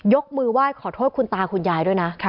ยกมือไหว้ขอโทษคุณตาคุณยายด้วยนะ